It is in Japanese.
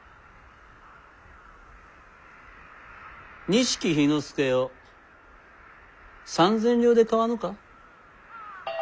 錦氷ノ介を３千両で買わぬか？